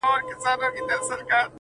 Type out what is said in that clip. له اسمان مي ګيله ده!.